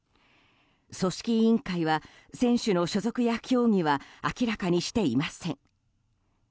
組織委員会は選手の所属や競技は明らかにしていません。